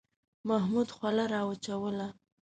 محمود خوله را وچوله.